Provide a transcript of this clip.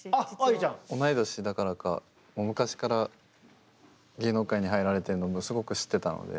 同い年だからかもう昔から芸能界に入られてるのもすごく知ってたので。